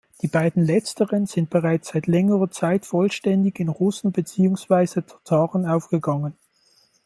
Die beiden letzteren sind bereits seit längerer Zeit vollständig in Russen beziehungsweise Tataren aufgegangen.